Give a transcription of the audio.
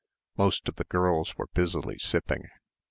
Most of the girls were busily sipping.